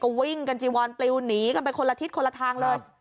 ก็วิ่งกันจีวอนปลิวหนีกันไปคนละทิศคนละทางเลย